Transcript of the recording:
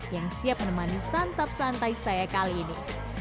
yang siap menemani santap santai saya kali ini